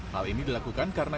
hal ini dilakukan karena